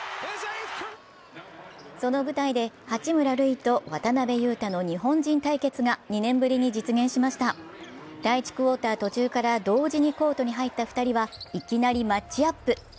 その舞台で八村塁と渡邊雄太の日本人対決が２年ぶりに実現しました第１クオーター途中から同時にコートに入った２人は、いきなりマッチアップ。